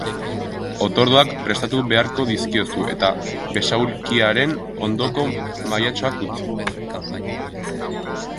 Otorduak prestatu beharko dizkiozu, eta besaulkiaren ondoko mahaitxoan utzi.